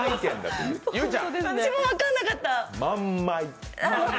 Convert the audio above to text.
私も分からなかった。